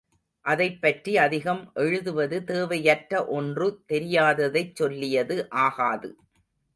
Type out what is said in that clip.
அதைப்பற்றி அதிகம் எழுதுவது தேவையற்ற ஒன்று தெரியாததைச் சொல்லியது ஆகாது.